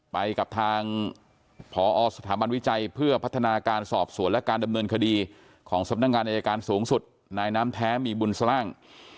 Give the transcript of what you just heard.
ไปกับทางผอสถาบันวิจัยเพื่อพัฒนาการสอบสวนและการดำเนินคดีของสำนักงานอายการสูงสุดนายน้ำแท้มีบุญสล่าง